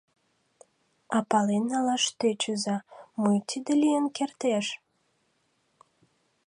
— А пален налаш тӧчыза, мо тиде лийын кертеш?